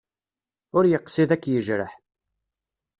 Ur yeqsid ad k-yejreḥ.